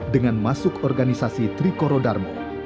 dengan masuk organisasi trikoro darmo